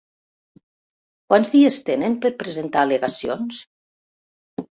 Quants dies tenen per presentar al·legacions?